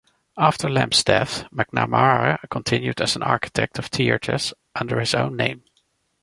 After Lamb's death, McNamara continued as an architect of theaters under his own name.